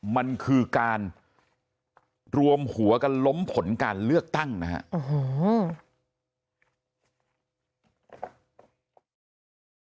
มันคือการรวมหัวกันล้มผลการเลือกตั้งนะครับ